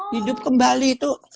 hidup kembali tuh